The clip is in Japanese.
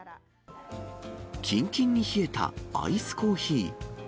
きんきんに冷えたアイスコーヒー。